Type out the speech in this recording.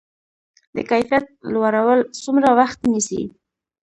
د کیفیت لوړول څومره وخت نیسي؟